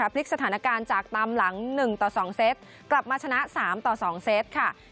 พลิกสถานการณ์จากตามหลัง๑ต่อ๒เซตกลับมาชนะ๓ต่อ๒เซตค่ะ